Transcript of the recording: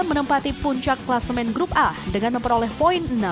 menempati puncak klasemen grup a dengan memperoleh poin enam